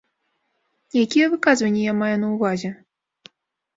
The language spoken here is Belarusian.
Якія выказванні я маю на ўвазе?